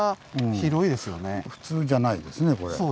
普通じゃないですねこれ。